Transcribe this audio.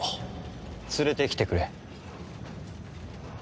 連れてきてくれ。